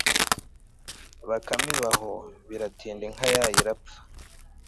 bakame iba aho, biratinda inka yayo irapfa